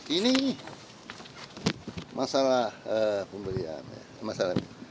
ini masalah pembelian